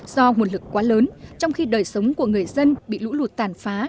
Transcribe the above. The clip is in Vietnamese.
do nguồn lực quá lớn trong khi đời sống của người dân bị lũ lụt tàn phá